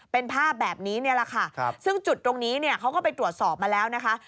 เป็นภาพแบบนี้นี่แหละค่ะซึ่งจุดตรงนี้เนี่ยเขาก็ไปตรวจสอบมาแล้วนะคะ